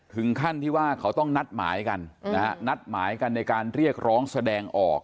ถึงขั้นที่ว่าเขาต้องนัดหมายกันนะฮะนัดหมายกันในการเรียกร้องแสดงออก